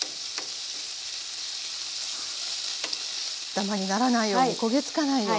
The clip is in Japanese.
ダマにならないように焦げつかないように。